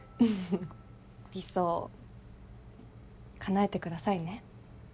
理想叶えてくださいね。